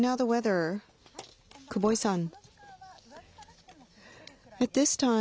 久保井さん。